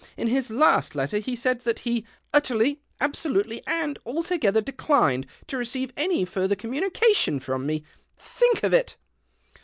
In his last letter he said ;hat he ' Utterly, absolutely, and altogether leclined ' to receive any further communica ion from me. Think of it